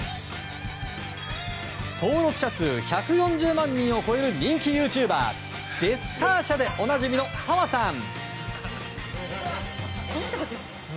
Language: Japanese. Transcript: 登録者数１４０万人を超える人気ユーチューバーデスターシャでおなじみのサワさん。